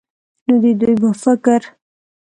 نو د دوي په فکر